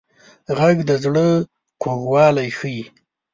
غږ د زړه کوږوالی ښيي